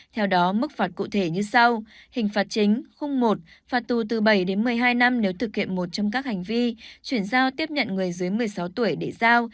theo đó mức phạt cụ thể như sau hình phạt chính khung một phạt tù từ bảy đến một mươi hai năm nếu thực hiện một trong các hành vi chuyển giao tiếp nhận người dưới một mươi sáu tuổi để giao